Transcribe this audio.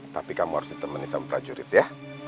tapi kamu harus ditemani sama prajurit ya